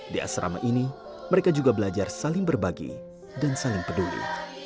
di asrama ini mereka juga belajar saling berbagi dan saling peduli